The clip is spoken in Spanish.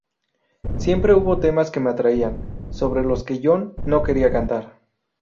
Siempre hubo temas que me atraían sobre los que Jon no quería cantar.